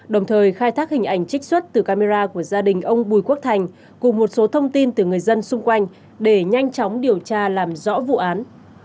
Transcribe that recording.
đồng thời khai thác hình ảnh trích xuất từ camera của gia đình ông bùi quốc thành cùng một số thông tin từ người dân xung quanh để nhanh chóng điều tra làm rõ vụ án